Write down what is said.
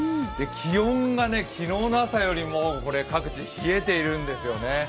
気温が昨日の朝よりも各地冷えているんですよね。